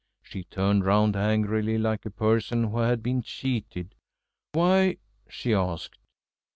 She turned round angrily, like a person who had been cheated. "Why?" she asked.